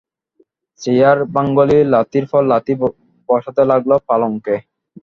Chair ভাঙলি, লাথির পর লাথি বসাতে লাগল পালঙ্কে।